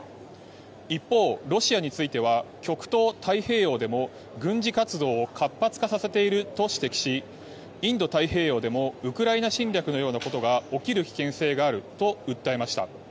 一方、ロシアについては極東・太平洋でも軍事活動を活発化させていると指摘しインド太平洋でもウクライナ侵略のようなことが起きる危険性があると訴えました。